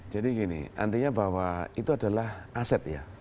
jadi gini artinya bahwa itu adalah aset ya